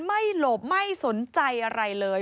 หลบไม่สนใจอะไรเลย